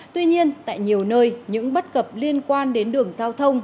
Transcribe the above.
tuy nhiên tại nhiều nơi những bất cập liên quan đến đường giao thông